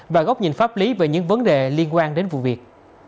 và góc nhìn pháp lý về những vấn đề liên quan đến vụ việc